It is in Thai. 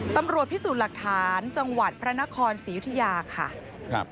ตำรวจพิสูจน์หลักฐานจังหวัดพระนครศรียุธยาค่ะครับ